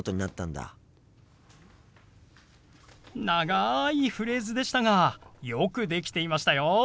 長いフレーズでしたがよくできていましたよ！